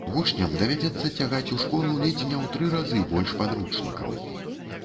Вучням давядзецца цягаць у школу ледзь не ў тры разы больш падручнікаў.